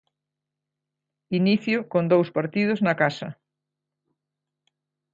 Inicio con dous partidos na casa.